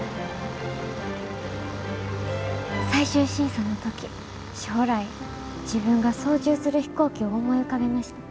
最終審査の時将来自分が操縦する飛行機を思い浮かべました。